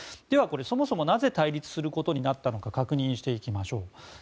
では、そもそもなぜ対立することになったのか確認していきましょう。